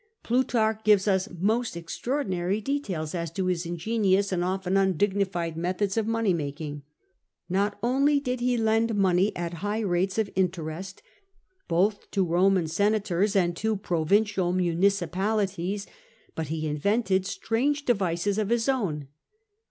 Plutarch gives us most extraordinary details as to his ingenious and often undignified methods of money making. Not only did he lend money at high rates of interest both to Roman senators and to provincial municipalities, but he invented strange devices of his own.